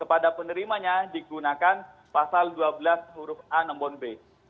kepada penerimanya digunakan pasal dua belas huruf a enam bon b